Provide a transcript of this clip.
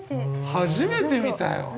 初めて見たよ。